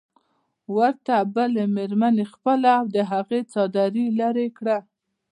ورته بلې مېرمنې خپله او د هغې څادري لرې کړه.